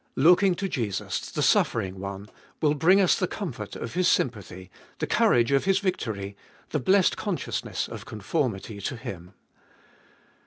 Look ing to Jesus, the suffering One, will bring us the comfort of His sympathy, the courage of His victory, the blessed consciousness of conformity to Him.